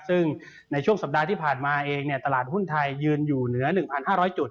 ซึ่งในช่วงสัปดาห์ที่ผ่านมาเองตลาดหุ้นไทยยืนอยู่เหนือ๑๕๐๐จุด